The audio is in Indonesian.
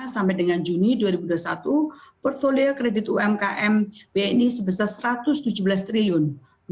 sampai dengan juni dua ribu dua puluh satu portfolio kredit umkm bni sebesar rp satu ratus tujuh belas triliun